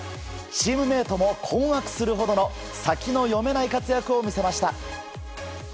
チームメートも困惑するほどの先の読めない活躍を見せました。